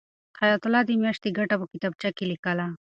حیات الله د میاشتې ګټه په کتابچه کې لیکله.